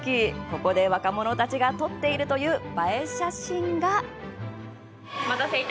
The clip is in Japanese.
ここで若者たちが撮っているという映え写真が？